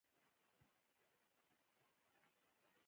افغانستان د پامیر له پلوه یو ډېر متنوع هیواد دی.